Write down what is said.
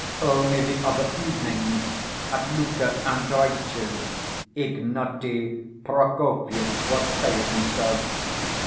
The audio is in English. Only the other evening, at Luka Andreitch's, Ignaty Prokofyitch was saying so.